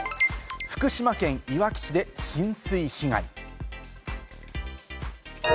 福島県いわき市で浸水被害。